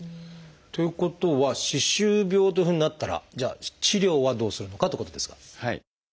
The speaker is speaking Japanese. ということは歯周病というふうになったらじゃあ治療はどうするのかってことですが。